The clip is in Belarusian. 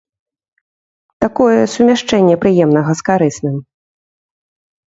Такое сумяшчэнне прыемнага з карысным.